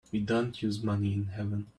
We don't use money in heaven.